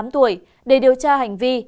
ba mươi tám tuổi để điều tra hành vi